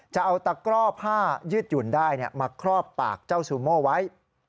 จะเอาตะกร่อผ้ายืดหยุ่นได้มาครอบปากเจ้าซูโม่ไว้